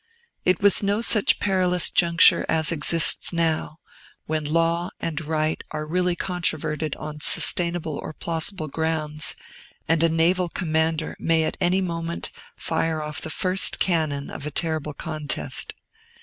It was no such perilous juncture as exists now, when law and right are really controverted on sustainable or plausible grounds, and a naval commander may at any moment fire off the first cannon of a terrible contest.